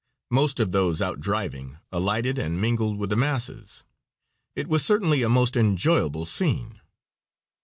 Most of those out driving alighted and mingled with the masses, it was certainly a most enjoyable scene.